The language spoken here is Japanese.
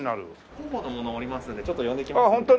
広報の者がおりますのでちょっと呼んできますね。